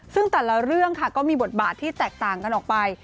ซึ่งแต่ละเรื่องค่ะก็มีบทบาทที่แตกต่างกันออกไป